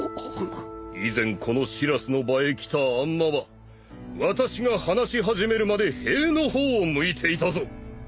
以前この白州の場へ来たあんまは私が話し始めるまで塀の方を向いていたぞ。